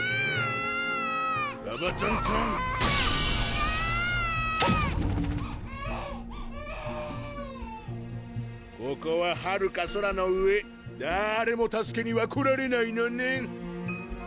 えーんここははるか空の上だれも助けには来られないのねん